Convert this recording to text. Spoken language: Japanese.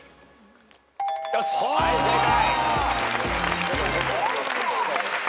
はい正解。